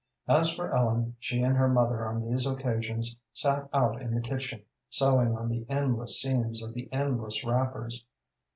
As for Ellen, she and her mother on these occasions sat out in the kitchen, sewing on the endless seams of the endless wrappers.